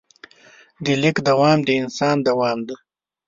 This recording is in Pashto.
د لیک دوام د انسان دوام دی.